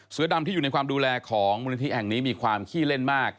เสือดำที่อยู่ในความดูแลของมูลนิธิแห่งนี้มีความขี้เล่นมาก